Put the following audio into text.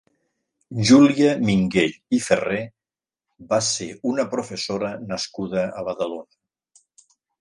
Júlia Minguell i Ferrer va ser una professora nascuda a Badalona.